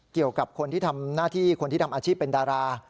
เกี่ยวกับคนที่ทำหน้าที่คนที่ทำอาชีพเป็นดารา